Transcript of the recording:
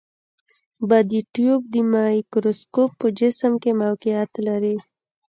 بادي ټیوب د مایکروسکوپ په جسم کې موقعیت لري.